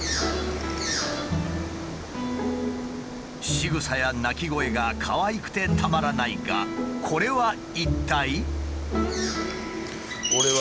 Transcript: しぐさや鳴き声がかわいくてたまらないがこれは一体。